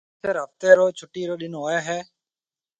آچر هفتي رو ڇُٽِي رو ڏن هوئي هيَ۔